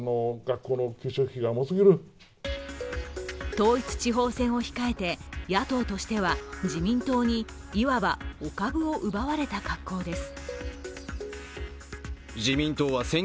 統一地方選を控えて野党としては自民党にいわばお株を奪われた格好です。